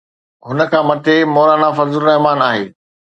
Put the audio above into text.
هن کان مٿي مولانا فضل الرحمان آهي.